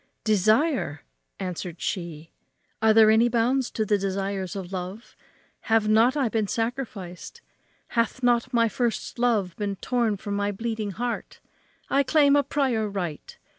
"Desire!" answered she, "are there any bounds to the desires of love? have not I been sacrificed? hath not my first love been torn from my bleeding heart? I claim a prior right.